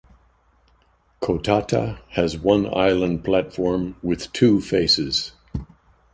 Kotata has one island platform with two faces.